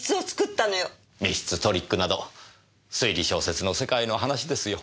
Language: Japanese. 密室トリックなど推理小説の世界の話ですよ。